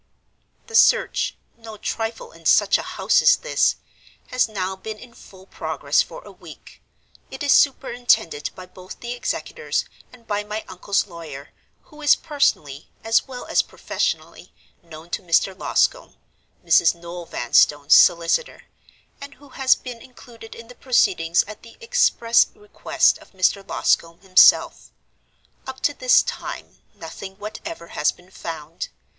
"The search (no trifle in such a house as this) has now been in full progress for a week. It is superintended by both the executors, and by my uncle's lawyer, who is personally, as well as professionally, known to Mr. Loscombe (Mrs. Noel Vanstone's solicitor), and who has been included in the proceedings at the express request of Mr. Loscombe himself. Up to this time, nothing whatever has been found.